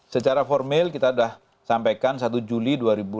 secara formil kita sudah sampaikan satu juli dua ribu dua puluh